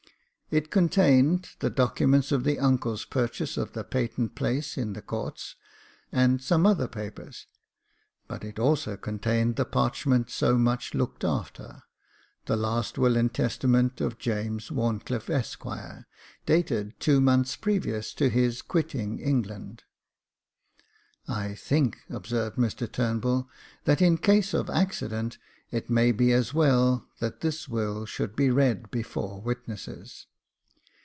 It contained the document of the uncle's purchase of the patent place in the courts, and some other papers, but it also contained the parchment so much looked after — the last will and testament of James Wharn clifFe, Esq., dated two months previous to his quitting England. "I think," observed Mr Turnbull, "that in case of accident, it may be as well that this will should be read before witnesses.